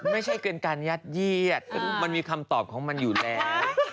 ไม่ใช่เป็นการยัดเยียดมันมีคำตอบของมันอยู่แล้ว